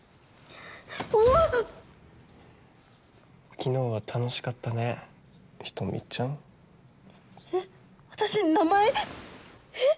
昨日は楽しかったね人見ちゃんえっ私名前えっ？